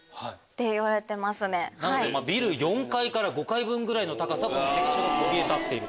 ビル４階から５階ぐらいの高さの石柱がそびえ立っている。